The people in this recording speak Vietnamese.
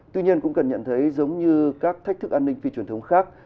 tuy nhiên cũng cần nhận thấy giống như các thách thức an ninh phi truyền thống khác